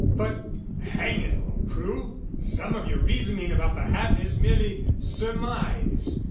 "But, hang it all, Crewe! Some of your reasoning about the hat is merely surmise.